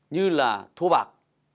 như là thua bạc